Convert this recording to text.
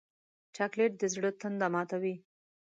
چاکلېټ د زړه تنده ماتوي.